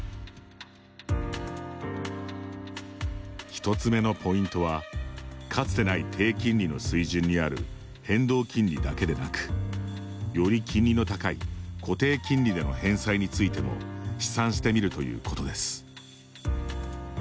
１つ目のポイントはかつてない低金利の水準にある変動金利だけでなくより金利の高い固定金利での返済についても試算してみるということです。